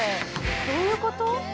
どういうこと？